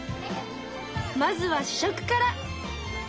まずは試食から。